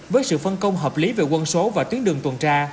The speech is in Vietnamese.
với sự phân công hợp lý về quân số và tuyến đường tuần tra